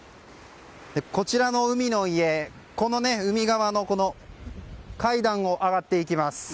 こちらの海の家海側の階段を上がっていきます。